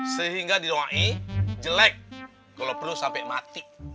sehingga didoain jelek kalau perlu sampai mati